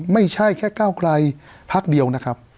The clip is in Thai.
ไม่ใช่แค่ก้าวไกลพักเดียวนะครับ